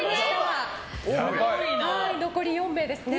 残り４名ですね。